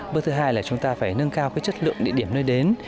bước thứ hai là chúng ta phải nâng cao cái chất lượng địa điểm nơi đến